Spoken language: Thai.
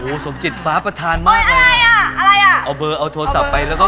สมจิตฟ้าประธานมากเลยใช่อ่ะอะไรอ่ะเอาเบอร์เอาโทรศัพท์ไปแล้วก็